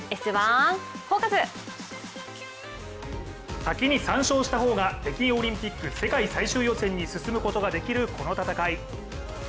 先に３勝した方が、北京オリンピック世界最終予選に進むことができる、この戦い。